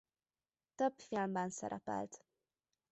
Több filmben szerepelt.